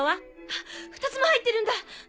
あっ２つも入ってるんだ。